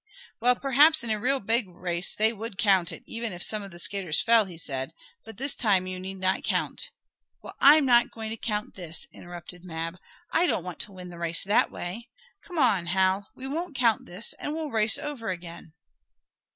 "Well, perhaps in a real big race they would count it, even if some of the skaters fell," he said. "But this time you need not count " "Well, I'm not going to count this!" interrupted Mab. "I don't want to win the race that way. Come on, Hal. We won't count this, and we'll race over again!"